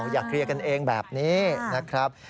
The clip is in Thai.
อย่าเคลียร์กันเองแบบนี้นะครับ